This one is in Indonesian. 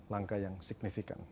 langkah yang signifikan